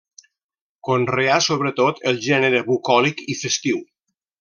Conreà sobretot el gènere bucòlic i festiu.